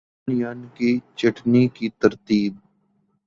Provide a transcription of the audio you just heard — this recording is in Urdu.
پن ین کی چھٹنی کی ترتیب